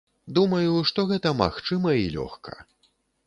Думаю, што гэта магчыма і лёгка.